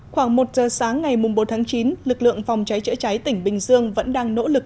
khoảng một giờ sáng ngày bốn tháng chín lực lượng phòng cháy chữa cháy tỉnh bình dương vẫn đang nỗ lực